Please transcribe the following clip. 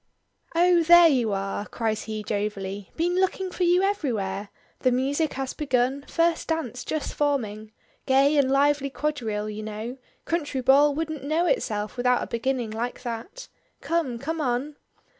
"Oh, there you are," cries he jovially. "Been looking for you everywhere. The music has begun; first dance just forming. Gay and lively quadrille, you know country ball wouldn't know itself without a beginning like that. Come; come on."